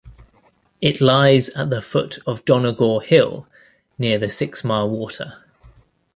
It lies at the foot of Donegore Hill, near the Six Mile Water.